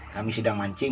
kami sedang mancing